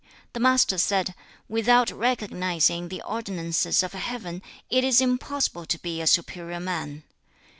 The Master said, 'Without recognising the ordinances of Heaven, it is impossible to be a superior man.